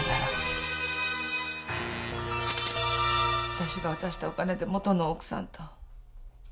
私が渡したお金で元の奥さんと。